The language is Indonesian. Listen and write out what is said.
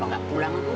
dan gak ketemu ketemu